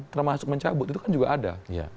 termasuk mencabut itu kan juga ada